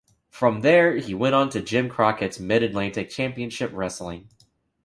From there he went on to Jim Crockett's Mid Atlantic Championship Wrestling.